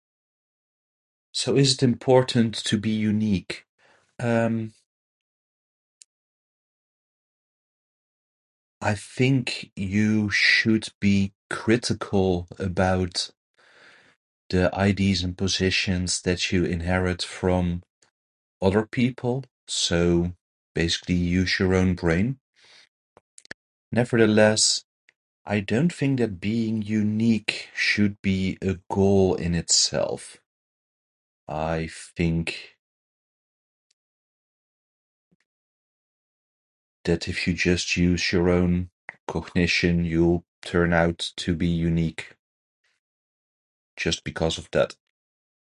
So, is it important to be unique? Um, I think you should be critical about the IDs and positions that you inherit from other people. So, basically use your own brain. Nevertheless, I don't think that being unique should be a goal in itself. I think that if you just use your own cognition, you'll turn out to be unique, just because of that.